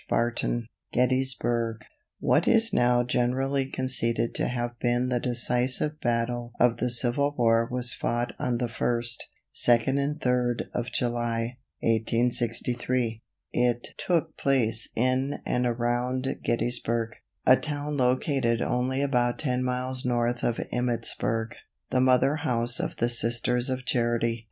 What is now generally conceded to have been the decisive battle of the Civil War was fought on the 1st, 2d and 3d of July, 1863. It took place in and around Gettysburg, a town located only about ten miles north of Emmittsburg, the mother house of the Sisters of Charity.